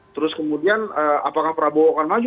terus kemudian apakah prabowo akan maju